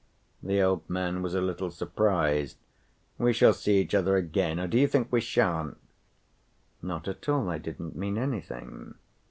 The old man was a little surprised. "We shall see each other again, or do you think we shan't?" "Not at all, I didn't mean anything."